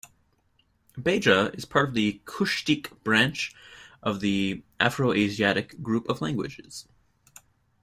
Beja is part of the Cushitic branch of the Afroasiatic group of languages.